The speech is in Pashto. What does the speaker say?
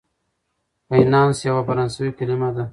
فینانس یوه فرانسوي کلمه ده.